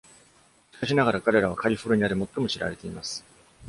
しかしながら、彼らはカリフォルニアで最も知られています。